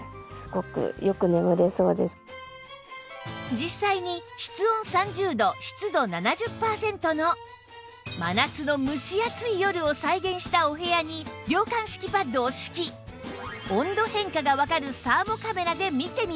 実際に室温３０度湿度７０パーセントの真夏の蒸し暑い夜を再現したお部屋に涼感敷きパッドを敷き温度変化がわかるサーモカメラで見てみます